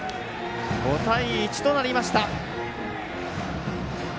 ５対１となりました。